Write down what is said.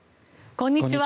こんにちは。